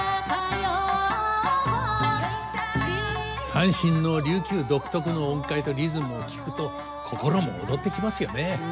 三線の琉球独特の音階とリズムを聴くと心も躍ってきますよね。